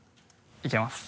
いけます！